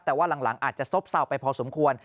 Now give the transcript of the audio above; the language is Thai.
แต่ว่าหลังอาจจะซบเศร้าไปพอสมควร